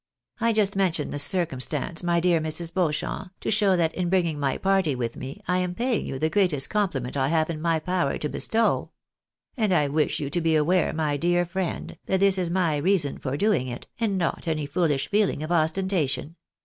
I just mention this circumstance, my dear Mrs. Beauchamp, to show that in bring ing my party with me, I am paying you the greatest compliment I have in my power to bestow. And I wish you to be aware, my dear friend, that this is my reason for doing it, and not any foolish feeling of ostentation.